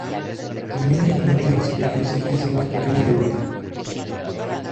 Teniendo en cuenta la superficie, es el más pequeño de Utah.